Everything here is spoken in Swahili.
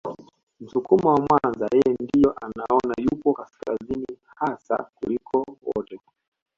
Msukuma wa Mwanza yeye ndio anaona yupo kaskazini hasa kuliko wote